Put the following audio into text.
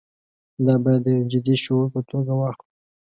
دا باید د یوه جدي شعور په توګه واخلو.